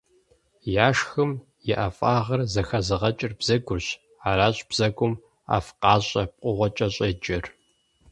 Яшхым и ӀэфӀагъыр зэхэзыгъэкӀыр бзэгурщ, аращ бзэгум ӀэфӀкъащӀэ пкъыгъуэкӀэ щӀеджэр.